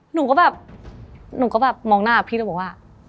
หนูก็แบบหนูก็แบบมองหน้าพี่แล้วบอกว่า